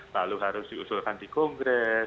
lalu harus diusulkan di kongres